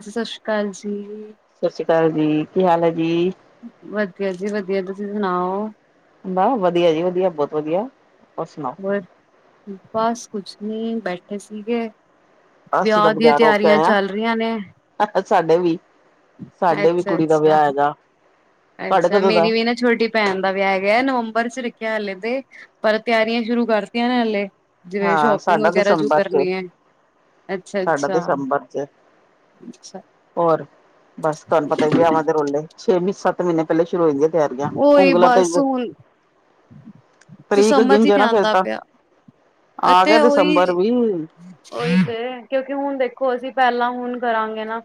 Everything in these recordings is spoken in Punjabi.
ਹਾਂ ਸਤਿ ਸ਼੍ਰੀ ਅਕਾਲ ਜੀ। ਸਤਿ ਸ਼੍ਰੀ ਅਕਾਲ ਜੀ ਕੀ ਹਾਲ ਹੈ ਜੀ। ਵਧੀਆ ਜੀ ਵਧੀਆ ਤੁਸੀਂ ਸੁਣਾਓ। ਵਾਹ ਵਧੀਆ ਜੀ ਵਧੀਆ ਬਹੁਤ ਵਧੀਆ। ਹੋਰ ਸੁਣਾਓ? ਹੋਰ ਬਸ ਕੁਛ ਨਹੀਂ ਬੈਠੇ ਸੀਗੇ। ਅਸੀਂ ਤਾਂ ਵਿਆਹ ਦੀਆਂ ਬਾਜ਼ਾਰ ਹੋ ਕੇ ਤਿਆਰੀਆਂ ਆਏ ਚੱਲ ਰਹੀਆਂ ਨੇ। ਹਾਂ, ਸਾਡੇ ਵੀ ਸਾਡੇ ਵੀ ਕੁੜੀ ਦਾ ਅੱਛਾ-ਅੱਛਾ, ਵਿਆਹ ਅੱਛਾ ਹੈਗਾ ਤੁਹਾਡੇ ਅੱਛਾ ਕਦੋਂ ਮੇਰੀ ਦਾ? ਵੀ ਨਾ ਛੋਟੀ ਭੈਣ ਦਾ ਵਿਆਹ ਗਿਆ ਨਵੰਬਰ ਚ ਕਹਿ ਲੇਤੇ ਪਰ ਤਿਆਰੀਆਂ ਸ਼ੁਰੂ ਕਰਤੀਆਂ ਹਾਲੇ ਹਾਂ ਸਾਡਾ ਦਿਸੰਬਰ ਚ ਏ ਸਾਡਾ ਅੱਛਾ-ਅੱਛਾ-ਅੱਛਾ, ਦਸੰਬਰ ਚ ਏ ਔਰ ਬਸ ਤੁਹਾਨੂੰ ਪਤਾ ਹੈ ਵਿਅਵਾ ਦੇ ਰੋਲੇ ਤੇ ਮਿਸ ਸੱਤ ਮਹੀਨੇ ਪਹਿਲਾ ਸ਼ੁਰੂ ਹੋਈ ਤਿਆਰੀਆਂ ਉਹੀ ਉਂਗਲਾਂ ਤੇ ਬਸ ਹੁਣ ਤਰੀਕ ਗਿਣ ਜ਼ਰਾ ਫਿਰ ਤੇ ਇਥੇ ਹੋਈ ਓਹੀ ਤੇ ਕਿਉਂਕਿ ਹੁਣ ਦੇਖੋ ਅਸੀਂ ਪਹਿਲਾਂ ਹੁਣ ਕਰਾਂਗੇ ਨਾ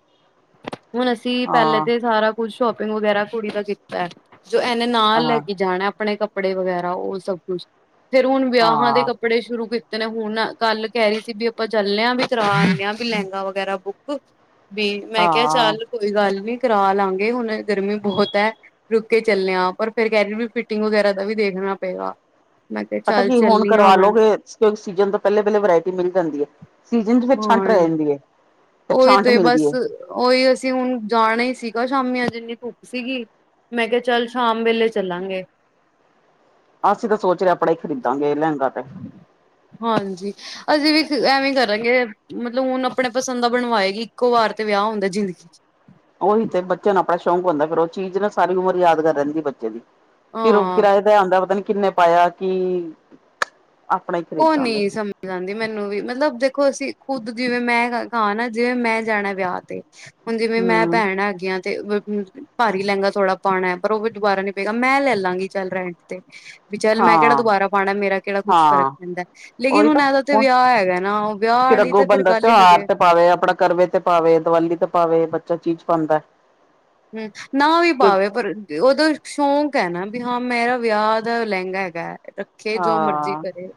ਹੁਣ ਅਸੀਂ ਪਹਿਲੇ ਹਾਂ, ਤੇ ਸਾਰਾ ਕੁਛ ਸ਼ੋਪਿੰਗ ਵਗੈਰਾ ਕੁੜੀ ਦਾ ਕਿਤਾ ਐਨੇ ਨਾਲ ਲੈ ਹਾਂ, ਕੇ ਜਾਣਾ ਆਪਣੇ ਬੜੇ ਵਗੈਰਾ ਉਹ ਸਭ ਕੁਝ ਫਿਰ ਹੁਣ ਵਿਆਹਵਾਂ ਦੇ ਹਾਂ, ਕੱਪੜੇ ਸ਼ੁਰੂ ਹੁਣ ਕੱਲ ਕਹਿ ਰਹੀ ਸੀ ਵੀ ਆਪਾਂ ਚੱਲੇ ਆ ਵੀ ਕਰਵਾ ਰਹੇ ਆ ਵੀ ਲਹਿੰਗਾ ਵਗੈਰਾ ਬੁੱਕ ਤੇ ਮੈਂ ਕਿਹਾ ਹਾਂ ਚਾਲ ਕੋਈ ਗੱਲ ਵੀ ਕਰਾ ਲਾਂਗੀ ਹੁਣ ਗਰਮੀ ਬਹੁਤ ਹੈ ਰੁਕੇ ਚੱਲੇ ਆ ਪਰ ਫਿਰ ਕਹਿ ਰਹੇ ਵੀ ਫਿਟਿੰਗ ਵਗੈਰਾ ਦਾ ਵੀ ਦੇਖਨਾ ਪਏਗਾ ਮੈਂ ਕਿਹਾ ਪਤਾ ਚੱਲ ਕੀ ਹੁਣ ਚੱਲੀ ਆ ਕਰਵਾ ਮੈਂ ਲਓ ਫਿਰ ਸੀਜ਼ਨ ਤੋਂ ਪਹਿਲੇ ਪਹਿਲੇ ਵਰਾਈਟੀ ਮਿਲ ਜਾਂਦੀ ਏ ਸੀਜ਼ਨ ਵਿੱਚ ਛੰਤ ਰਹਿ ਜਾਂਦੀ ਏ ਕੋਈ ਤੇ ਬਸ ਉਹੀ ਅਸੀਂ ਹੁਣ ਜਾਣਾ ਹੀ ਸੀਗਾ ਖਾਮੀਆਂ ਜਿੰਨੀ ਭੁੱਖ ਸੀਗੀ ਮੈਂ ਕਿਹਾ ਚੱਲ ਸ਼ਾਮ ਵੇਲੇ ਚੱਲਾਂਗੇ ਅਸੀ ਤੇ ਸੋਚ ਰਹੇ ਹਾ ਅਪਣਾ ਹੀ ਖਰੀਦਾਗੇ ਲਹਿੰਗਾ ਤੇ ਹਾਂਜੀ ਅਸੀਂ ਵੀ ਐਵੇਂ ਕਰਾਂਗੇ ਮਤਲਬ ਹੁਣ ਆਪਣੇ ਪਸੰਦ ਦਾ ਬਣਵਾਏਗੀ ਇੱਕੋ ਵਾਰ ਤੇ ਵਿਆਹ ਹੁੰਦਾ ਜ਼ਿੰਦਗੀ [unintelligible] ਉਹੀ ਤੇ ਬੱਚਿਆਂ ਨੂੰ ਆਪਣੇ ਸ਼ੌਂਕ ਹੁੰਦਾ ਫਿਰ ਉਹ ਚੀਜ਼ ਨਾ ਸਾਰੀ ਉਮਰ ਯਾਦ ਰਹਿ ਜਾਂਦੀ ਹੈ ਬੱਚੇ ਦੀ ਫਿਰ ਉਹ ਹਾਂ ਕਿਰਾਇ ਦਾ ਹੁੰਦਾ ਪਤਾ ਨਿ ਕਿੰਨੇ ਪਾਇਆ ਕਿ ਆਪਣਾ ਹੀ ਉਹ ਖਰੀਦਾਂਗੇ ਨਹੀਂ ਸਮਝ ਆਉਂਦੀ ਮੈਨੂੰ ਵੀ ਮਤਲਬ ਦੇਖੋ ਪੁੱਤ ਜਿਵੇਂ ਮੈਂ ਕਿਹਾ ਨਜੇ ਮੈਂ ਜਾਣਾ ਏ ਵਿਆਹ ਤੇ ਜੀਵੇ ਮੈਂ ਹਮ ਭੈਣ ਆ ਗਈ ਆ ਤੇ ਭਾਰੀ ਲਹਿੰਗਾ ਥੋੜਾ ਪਾਣਾ ਪਰ ਉਹ ਵੀ ਦੁਬਾਰਾ ਨਹੀਂ ਪਏਗਾ ਮੈਂ ਲੈ ਲਾਂਗੀ ਚੱਲ ਰੈਂਟ ਤੇ ਚਲ ਮੈਂ ਕਿਹੜਾ ਹਾਂ ਦੁਬਾਰਾ ਪਾਣਾ ਮੇਰਾ ਕਿਹੜਾ ਕੁਛ ਫ਼ਰਕ ਹਾਂ ਲੇਕਿਨ ਉਹੀ ਹੁਣ ਤਾਂ ਆਜ ਉਥੇ ਵਿਆਹ ਹੈਗਾ ਨਾ ਵਿਆਹ ਵਾਲੀ ਤਾਂ ਫਿਰ ਗੱਲ ਹੀ ਅਲੱਗ ਹੈ ਭਾਵੇ ਦਿਵਾਲੀ ਤੇ ਪਾਵੇ ਬੱਚਾ ਚੀਜ਼ ਪਾਂਦਾ ਏ ਨਾ ਵੀ ਪਾਵੇ ਪਰ ਉਦੋਂ ਸ਼ੌਂਕ ਹੈ ਨਾ ਹਾਂ ਮੇਰਾ ਵਿਆਹ ਦਾ ਲਹਿੰਗਾ ਹੈਗਾ ਰੱਖੇ ਜੋ ਮਰਜ਼ੀ ਕਰੇ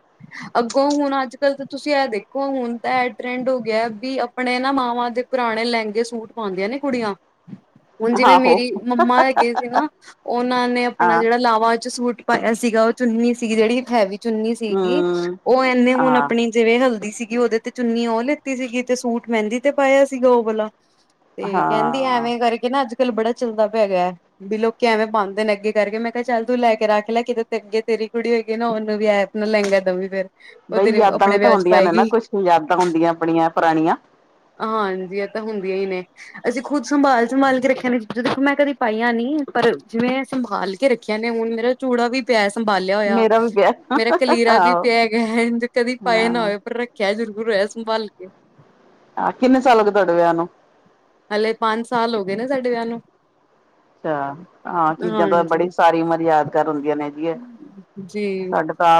ਅੱਗੋਂ ਹੁਣ ਅੱਜ ਕਲ ਤਾ ਤੁਸੀਂ ਇਹ ਦੇਖੋ ਹੁਣ ਤਾਂ ਟਰੈਂਡ ਹੋ ਗਿਆ ਵੀ ਆਪਣੇ ਨਾ ਮਾਵਾਂ ਦੇ ਪੁਰਾਣੇ ਲੈਂਗੇ ਸੂਟ ਪੈਂਦੇ ਏ ਕੁੜੀਆਂ ਹੁਣ ਜਿਵੇਂ ਆਹੋ ਮੇਰੀ ਮਮਾ ਹੈਗੇ ਸੀ ਨਾ ਉਹਨਾਂ ਨੇ ਆਪਣਾ ਹਾਂ ਜਿਹੜਾ ਲਾਵਾ ਚ ਸੂਟ ਪਰ ਇਹ ਸੀਗਾ ਉਹ ਚੁੰਨੀ ਸੀਗੀ ਜਿਹੜੀ ਹੈਵੀ ਚੁੰਨੀ ਸੀਗੀ ਹਮ ਉਹ ਇਨੇ ਹੁਣ ਹਾਂ ਆਪਣੀ ਜਿਵੇਂ ਹਲਦੀ ਸੀਗੀ ਉਹਦੇ ਤੇ ਚੁੰਨੀ ਉਹ ਲਿਤੀ ਸੀਗੀ ਤੇ ਸੂਟ ਮਹਿੰਦੀ ਤੇ ਪਾਇਆ ਸੀਗਾ ਓਹ ਵਾਲਾ ਤੇ ਕਹਿੰਦੀ ਹਾਂ ਐਵੇਂ ਕਰ ਅੱਜਕੱਲ ਬੜਾ ਚੱਲਦਾ ਪਿਆ ਗਿਆ ਬਿ ਲੋਕੀ ਐਵੇਂ ਪਾਉਂਦੇ ਨੇ ਅੱਗੇ ਕਰਕੇ ਮੈਂ ਕਿਹਾ ਚੱਲ ਤੂੰ ਲੈ ਕੇ ਰੱਖ ਲੈ ਕੇ ਤੇ ਤੇਰੀ ਕੁੜੀ ਹੋਏਗੀ ਨਾ ਉਹਨੂੰ ਵੀ ਐਪ ਨਾਲ ਲਹਿੰਗਾ ਦਵੀਂ ਫਿਰ ਬਈ ਯਾਦਾਂ ਵੀ ਤਾਂ ਹੁੰਦੀਆਂ ਨੇ ਨਾ ਕੋਈ ਯਾਦਾਂ ਹੁੰਦੀਆਂ ਆਪਣੀਆਂ ਪੁਰਾਣੀਆ ਹਾਂਜੀ ਇਹ ਤਾਂ ਹੁੰਦੀਆਂ ਹੀ ਨੇ ਅਸੀਂ ਖੁਦ ਸੰਭਾਲ ਸੰਭਾਲ ਕੇ ਰੱਖਿਆ ਜਦੋਂ ਮੈਂ ਕਦੀ ਪਾਈਆਂ ਨਹੀਂ ਪਰ ਜਿਵੇਂ ਸੰਭਾਲ ਕੇ ਰੱਖੀਆ ਨੇ ਹੁਣ ਮੇਰਾ ਚੂੜਾ ਵੀ ਪੈ ਸਕ ਸੰਬਾਲਿਆ ਹੋਇਆ ਮੇਰਾ ਵੀ ਮੇਰੇ ਵਿਆਹ ਕਲੀਰਾ ਵੀ ਆਹੋ ਪਿਆ ਹੈਗਾ ਇਂਝ ਕਦੀ ਪਾਏ ਨਾ ਹਾਂ ਹੋਏ ਪਰ ਰੱਖਿਆ ਜਰੂਰ [unintelligible] ਕਿੰਨੇ ਸਾਲ ਹੋ ਗਏ ਤੁਹਾਡੇ ਵਿਆਹ ਨੂੰ ਹਲੇ ਪੰਜ ਸਾਲ ਹੋ ਗਏ ਨਾ ਸਾਡੇ ਵਿਆਹ ਨੂੰ ਹਾਂ ਕੀ ਕਹਿੰਦਾ ਬੜੀ ਹਾਂਜੀ ਸਾਰੀ ਮਰਿਆਦਾ ਹੁੰਦੀਆਂ ਨੇ। ਜੀ ਜੀ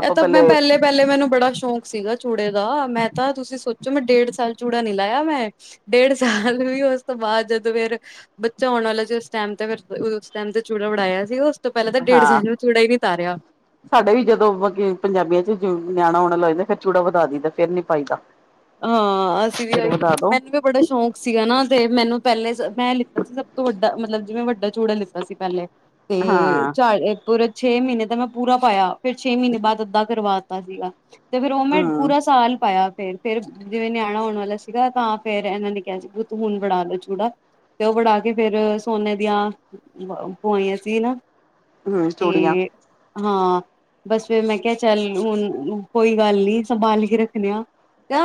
ਇਹ ਤਾਂ ਮੈਂ ਪਹਿਲੇ- ਪਹਿਲੇ ਮੈਨੂੰ ਬੜਾ ਸ਼ੌਂਕ ਸੀਗਾ ਚੂੜੇ ਦਾ ਮੈਂ ਤਾਂ ਤੁਸੀਂ ਸੋਚੋ ਮੈਂ ਡੇਢ ਸਾਲ ਚੂੜਾ ਨੀ ਲਾਇਆ ਮੈਂ ਡੇਢ ਸਾਲ ਵੀ ਉਸ ਤੋਂ ਬਾਅਦ ਜਦੋਂ ਫਿਰ ਬੱਚਾ ਆਉਣ ਵਾਲਾ ਜਿਸ ਟਾਈਮ ਤੇ ਫ ਉਸ ਟਾਈਮ ਤੇ ਚੂੜਾ ਵੜਾਇਆ ਸੀ ਉਸ ਤੋਂ ਪਹਿਲਾਂ ਤਾਂ ਡੇਢ ਹਾਂ ਸਾਲ ਚੂੜਾ ਹੀ ਨੀ ਤਾਰਿਆ। ਸਾਡੇ ਵੀ ਜਦੋਂ ਵਧੀਆ ਮਤਲਬ ਪੰਜਾਬੀਆਂ 'ਚ ਨਿਆਣਾ ਹੋਨਵਾਲਾ ਹੋਵੇ ਫਿਰ ਚੂੜਾ ਵਧਾ ਦਈਦਾ ਫਿਰ ਨੀ ਪਾਈਦਾ। ਹਾਂ ਅਸੀਂ ਫਿਰ ਵੀ ਵਧਾ ਦੋ ਮੈਨੂੰ ਵੀ ਬੜਾ ਸ਼ੌਕ ਸੀਗਾ ਨਾ ਤੇ ਮੈਨੂੰ ਪਹਿਲੇ ਮੈਂ ਸਭ ਤੋਂ ਵੱਡਾ ਮਤਲਬ ਜਿਵੇਂ ਵੱਡਾ ਚੂੜਾ ਲਿੱਤਾ ਸੀ, ਪਹਿਲੇ ਤੇ ਹਾਂ ਚਾਲ ਪੁਰੇ ਛੇ ਮਹੀਨੇ ਤਾਂ ਮੈਂ ਪੂਰਾ ਪਾਇਆ ਫੇਰ ਛੇ ਮਹੀਨੇ ਬਾਅਦ ਅੱਧਾ ਕਰਵਾ ਦਿੱਤਾ ਸੀਗਾ। ਤੇ ਫੇਰ ਉਹ ਮੈਂ ਹਮ ਪੂਰਾ ਸਾਲ ਪਾਇਆ ਫੇਰ ਫੇਰ ਜਿਵੇਂ ਨਿਆਣਾ ਆਉਣ ਵਾਲਾ ਸੀਗਾ ਤਾਂ ਫੇਰ ਇਹਨਾਂ ਨੇ ਕਿਹਾ ਸੀ ਤੂੰ ਹੁਣ ਬੜਾ ਲੈ ਚੂੜਾ ਤੇ ਉਹ ਬੜਾ ਕੇ ਫੇਰ ਸੋਨੇ ਦੀਆਂ ਪਵਾਈਆਂ ਸੀ ਨਾ ਹੂੰ [unintelligible] ਤੇ ਹਾਂ ਬਸ ਫੇਰ ਮੈਂ ਕਿਹਾ ਚੱਲ ਹੁਣ ਕੋਈ ਗੱਲ ਨੀ ਸੰਭਾਲ ਕੇ ਰੱਖਣੇ ਆ।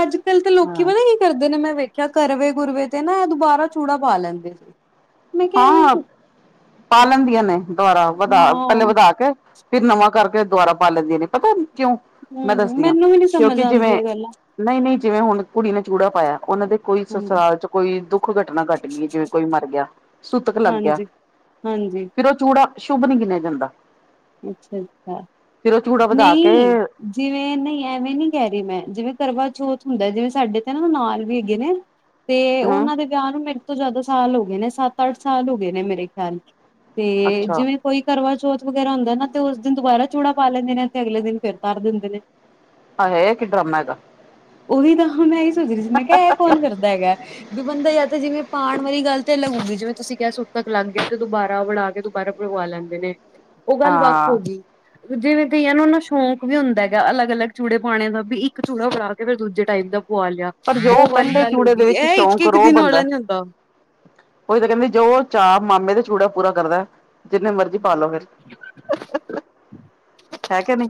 ਅੱਜ ਕੱਲ ਤਾਂ ਹਾਂ ਲੋਕੀ ਪਤਾ ਕੀ ਕਰਦੇ ਨੇ ਮੈਂ ਵੇਖ ਜਾ ਕਰਵੇ ਕੁਰਵੇ ਤੇ ਨਾ ਦੁਬਾਰਾ ਚੂੜਾ ਪਾ ਲੈਂਦੇ ਮੈਂ ਕਿਹਾ ਐਵੇਂ ਹਾਂ ਪਾ ਲੈਂਦੀਆਂ ਨੇ ਦੁਬਾਰਾ ਵਧਾ ਪਹਿਲੇ ਹਾਂ ਵਧਾ ਕੇ ਫਿਰ ਨਵਾਂ ਕਰਕੇ ਦੁਬਾਰਾ ਪਾ ਲੈਂਦੀਆਂ ਨੇ ਪਤਾ ਕਿਉਂ ਮੈਂ ਹੂੰ ਦੱਸਦੀ ਹਾਂ ਮੈਨੂੰ ਵੀ ਨੀ ਸਮਝ ਕਿਉਂਕਿ ਆਉਂਦੀ ਜਿਵੇਂ ਇਹ ਗੱਲਾਂ ਨਹੀਂ- ਨਹੀਂ ਜਿਵੇਂ ਹੁਣ ਕੁੜੀ ਨੇ ਚੂੜਾ ਪਾਇਆ ਉਹਨਾਂ ਦੇ ਕੋਈ ਹਾਂਜੀ ਸਸਰਾਲ 'ਚ ਕੋਈ ਦੁੱਖ ਘਟਨਾ ਘੱਟ ਗਈ ਹੈ ਜਿਵੇਂ ਕੋਈ ਮਰ ਗਿਆ। ਸੁੂਤਕ ਲੱਗ ਗਿਆ ਹਾਂਜੀ ਹਾਂਜੀ ਫਿਰ ਉਹ ਚੂੜਾ ਸ਼ੁੱਭ ਨਹੀਂ ਗਿਣਿਆ ਜਾਂਦਾ। ਅੱਛਾ ਜੀ ਅੱ ਫਿਰ ਉਹ ਚੂੜਾ ਵਧਾ ਕੇ ਨਹੀਂ ਜਿਵੇਂ ਨਹੀਂ। ਐਵੇਂ ਨੀ ਕਹਿ ਰਹੀ ਮੈਂ ਜਿਵੇਂ ਕਰਵਾਚੌਥ ਹੁੰਦਾ ਜਿਵੇਂ ਸਾਡੇ ਤੇ ਨਾ ਨਾਲ ਵੀ ਹੈਗੇ ਨੇ ਤੇ ਹਮ ਉਹਨਾਂ ਦੇ ਵਿਆਹ ਨੂੰ ਮੇਰੇ ਤੋਂ ਜ਼ਿਆਦਾ ਸਾਲ ਹੋ ਗਏ ਨੇ ਸੱਤ ਅੱਠ ਸਾਲ ਹੋ ਗਏ ਨੇ ਮੇਰੇ ਖਿਆਲ ਤੇ ਅੱਛਾ ਜਿਵੇਂ ਕੋਈ ਕਰਵਾ ਚੌਥ ਫੇਰ ਹੁੰਦਾ ਨਾ ਤੇ ਉਸ ਦਿਨ ਦੁਬਾਰਾ ਚੂੜਾ ਪਾ ਲੈਂਦੇ ਨੇ ਤੇ ਅਗਲੇ ਦਿਨ ਫਿਰ ਤਾਰ ਦਿੰਦੇ ਨੇ। ਹਾਂ ਹੈੇ ਏ ਕੀ ਡਰਾਮਾ ਹੈਗਾ। ਉਹੀ ਤਾਂ ਹੁਨ ਮੈਂ ਸੋਚ ਰਹੀ ਸੀ ਮੈਂ ਕਿਹਾ ਇਹ ਕੌਣ ਕਰਦਾ ਹੈਗਾ ਵੀ ਬੰਦਾ ਯ ਤਾਂ ਜਿਵੇਂ ਪਾਉਣ ਵਾਲੀ ਗੱਲ ਤਾਂ ਲੱਗਗੀ ਜਿਵੇਂ ਤੁਸੀਂ ਕਿਹਾ ਸੁੱਤਕ ਲੱਗ ਗਏ ਤੇ ਦੁਬਾਰਾ ਉਹ ਬਣਾ ਕੇ ਦੁਬਾਰਾ ਬਗਵਾ ਲੈਂਦੇ ਨੇ। ਉਹ ਗੱਲ ਵੱਖ ਹੋ ਹਾਂ ਗਈ ਜਿਵੇਂ ਧੀਆਂ ਨੂੰ ਨਾ ਸ਼ੌਂਕ ਵੀ ਹੁੰਦਾ ਹੈਗਾ ਅਲੱਗ ਅਲੱਗ ਚੂੜੇ ਪਾਣੇ ਦਾ ਵੀ ਇੱਕ ਚੂ੍ੜਾ ਫਰਾ ਕੇ ਫਿਰ ਦੂਜੇ ਟਾਈਪ ਦਾ ਪੁਆ ਲਿਆ ਪਰ ਜੋ ਉਹ ਵਾਰੀ ਪਹਿਲੇ ਗੱਲ ਹੋ ਚੂੜੇ ਗਈ ਦੇ ਵਿੱਚ ਇਹ ਇੱਕ- ਸ਼ੌਂਕ ਇੱਕ ਰੋਹ ਦਿਨ ਬੰਦਾ ਵਾਲਾ ਨੀ ਹੁੰਦਾ। ਉਹੀ ਤਾਂ ਕਹਿੰਦੇ ਜੋ ਉਹ ਚਾਅ ਮਾਮੇ ਦਾ ਚੂੜਾ ਪੂਰਾ ਕਰਦਾ। ਜਿੰਨੇ ਮਰਜ਼ੀ ਪਾਲੋ ਫਿਰ ਹੈ ਕਿ ਨਹੀਂ